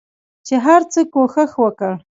چې هرڅه کوښښ وکړ